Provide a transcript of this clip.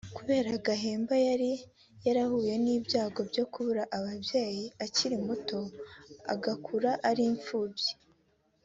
kubera Gahemba yari yarahuye n’ibyago byo kubura ababyeyi akiri muto agakura ari imfubyi